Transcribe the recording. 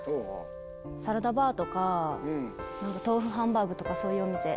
サラダバーとか豆腐ハンバーグとかそういうお店。